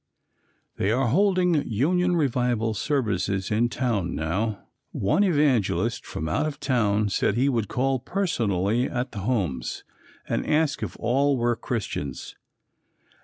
_ They are holding Union Revival Services in town now. One evangelist from out of town said he would call personally at the homes and ask if all were Christians.